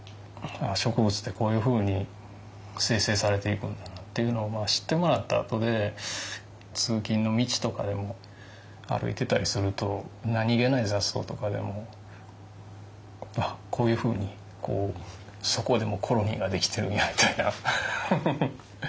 植物ってこういうふうに生成されていくんだなっていうのを知ってもらったあとで通勤の道とかでも歩いてたりすると何気ない雑草とかでもあっこういうふうにそこでもコロニーが出来てるんやみたいな。